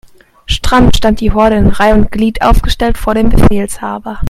Stramm stand die Horde in Reih' und Glied aufgestellt vor dem Befehlshaber.